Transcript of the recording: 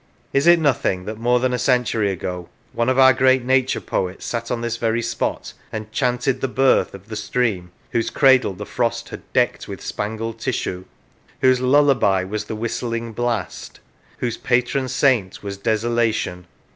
Is it nothing that, more than a century ago, one of our great Nature poets sat on this very spot, and " chanted the birth " of the stream whose cradle the Frost had " decked with spangled tissue," whose " lullaby was the whistling blast," whose " Patron saint was Deso lation